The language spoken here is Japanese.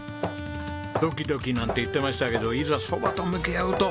ドキドキなんて言ってましたけどいざ蕎麦と向き合うと。